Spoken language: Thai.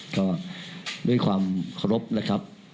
ก็ด้วยความขอบครบนะครับ